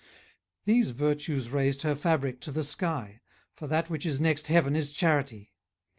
These virtues raised her fabric to the sky; For that which is next heaven is charity.